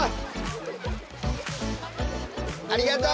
ありがとう！